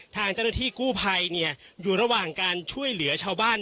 ทางเจ้าหน้าที่กู้ภัยอยู่ระหว่างการช่วยเหลือชาวบ้าน